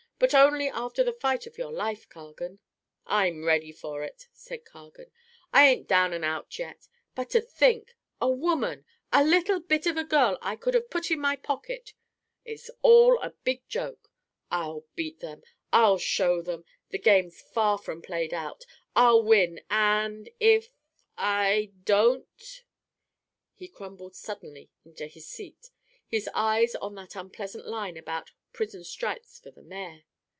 "But only after the fight of your life, Cargan." "I'm ready for it," cried Cargan. "I ain't down and out yet. But to think a woman a little bit of a girl I could have put in my pocket it's all a big joke. I'll beat them I'll show them the game's far from played out I'll win and if I don't " He crumbled suddenly into his seat, his eyes on that unpleasant line about "Prison Stripes for the Mayor".